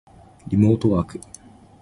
リモートワーク